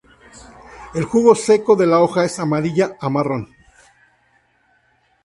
El jugo seco de la hoja es amarilla a marrón.